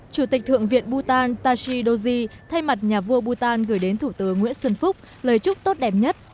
chủ tịch thượng viện bhutan tashi doji thay mặt nhà vua bhan gửi đến thủ tướng nguyễn xuân phúc lời chúc tốt đẹp nhất